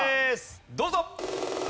どうぞ！